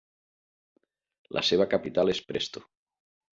La seva capital és Presto.